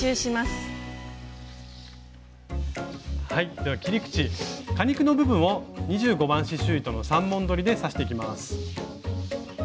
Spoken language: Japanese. では切り口果肉の部分を２５番刺しゅう糸の３本どりで刺していきます。